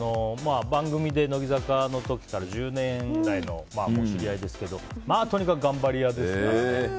番組で乃木坂の時から１０年来の知合いですけどとにかく頑張り屋ですからね。